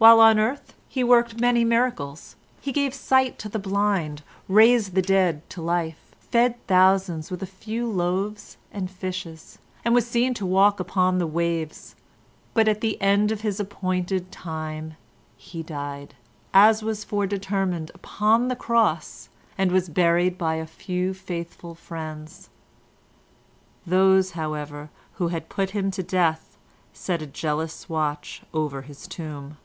"While on earth he worked many miracles. He gave sight to the blind, raised the dead to life, fed thousands with a few loaves and fishes, and was seen to walk upon the waves, but at the end of his appointed time he died, as was foredetermined, upon the cross, and was buried by a few faithful friends. Those, however, who had put him to death set a jealous watch over his tomb.